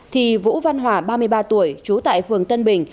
thì vũ văn hòa ba mươi ba tuổi trú tại phường tân bình